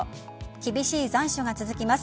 厳しい残暑が続きます。